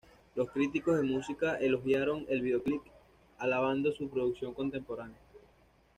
Los críticos de música elogiaron el videoclip, alabando su producción contemporánea.